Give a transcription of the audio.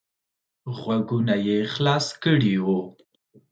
غوږونه یې خلاص کړي وو.